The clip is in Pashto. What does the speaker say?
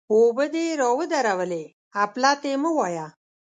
اوبه دې را ودرولې؛ اپلاتي مه وایه!